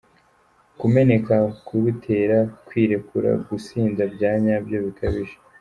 Kumeneka, kurutera, kwirekura : gusinda bya nyabyo, bikabije.